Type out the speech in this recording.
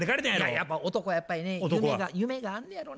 やっぱ男はやっぱりね夢が夢があんねやろな。